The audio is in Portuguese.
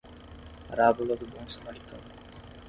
Parábola do bom samaritano